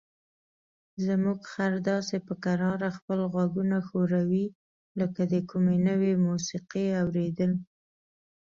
زموږ خر داسې په کراره خپل غوږونه ښوروي لکه د کومې نوې موسیقۍ اوریدل.